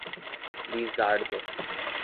Lizarda